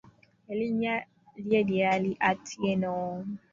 Erinnya lye ly'ali Atieno.